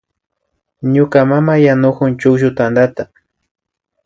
Ñuka mama yanukun chukllu tantata